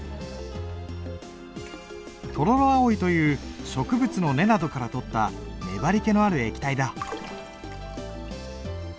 トロロアオイという植物の根などから採った粘りけのある液体だ。